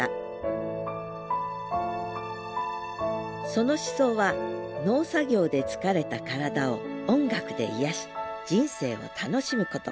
その思想は農作業で疲れた体を音楽で癒やし人生を楽しむこと。